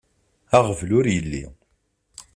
Aɣbel ur yelli.